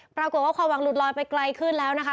ปรากฏว่าความหวังหลุดลอยไปไกลขึ้นแล้วนะคะ